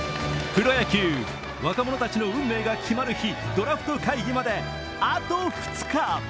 プロ野球、若者たちの運命が決まる日、ドラフト会議まであと２日。